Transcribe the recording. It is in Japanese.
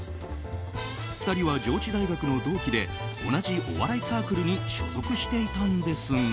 ２人は上智大学の同期で同じお笑いサークルに所属していたんですが。